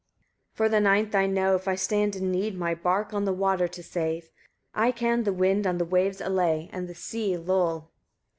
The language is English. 156. For the ninth I know, if I stand in need my bark on the water to save, I can the wind on the waves allay, and the sea lull.